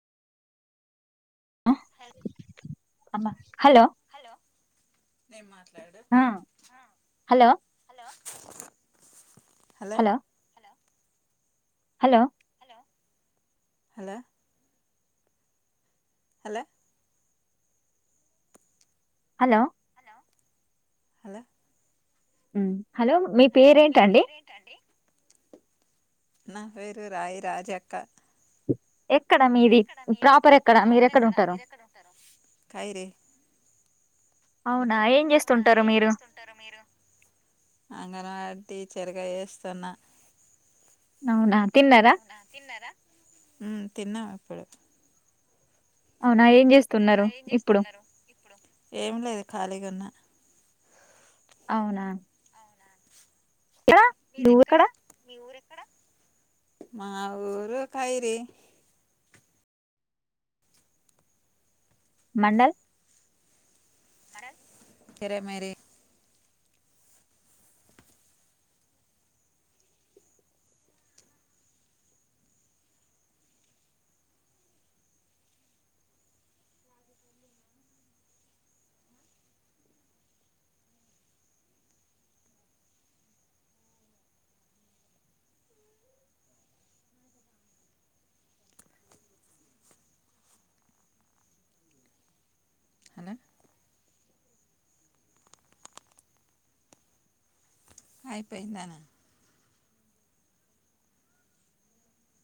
అమ్మ హలో ఆ హలో హలోట్ hello hello hello hello hello hello మ్మ్ హలో మీ పేరేంటండి నా పేరు రాయి రాజక్క ఎక్కడ మీది ప్రాపర్ ఎక్కడ మీరెక్కడ ఉంటారు అవునా ఏం అవునా చేస్తుంటారు ఏం మీరు చేస్తుంటారు మీరు అంగన్ వాడ్ టీచరు గా చేస్తున్న అవునా తిన్నారా అవునా తిన్నారా మ్మ్ తిన్నాము పడ అవునా ఏం అవునా చేస్తున్నారు ఏం ఇప్పుడు చేస్తున్నారు ఇప్పుడు ఏం లేదు ఖాళీగున్నా అవునా ఇక్కడ నువ్వు ఇక్కడ మీరెక్కడా మీ ఊరెక్కడా మా ఊరు కైది మండల్ సరే మరి హలో అయిపోయిందానా